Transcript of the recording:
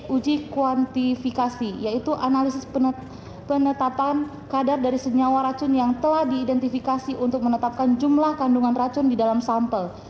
uji kuantifikasi yaitu analisis penetapan kadar dari senyawa racun yang telah diidentifikasi untuk menetapkan jumlah kandungan racun di dalam sampel